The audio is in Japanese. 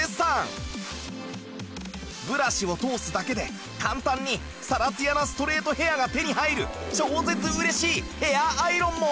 ブラシを通すだけで簡単にサラツヤなストレートヘアが手に入る超絶嬉しいヘアアイロンも！